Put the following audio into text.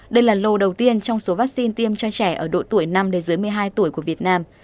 đây là lô đầu tiên trong số vaccine tiêm cho trẻ ở độ tuổi năm dưới một mươi hai tuổi của việt nam